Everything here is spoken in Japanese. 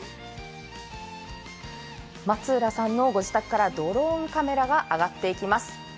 松浦さんのご自宅からドローンカメラが上がっていきます。